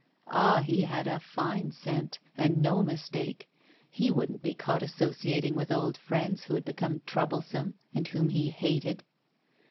Ah! he had a fine scent, and no mistake; he wouldn't be caught associating with old friends, who had become troublesome, and whom he hated.